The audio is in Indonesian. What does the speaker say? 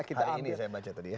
hari ini ya saya baca tadi ya